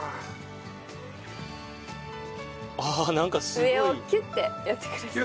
上をキュッてやってください。